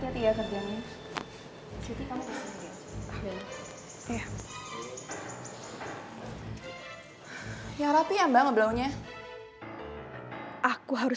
ayo cepet cepet dong aduh ya ampun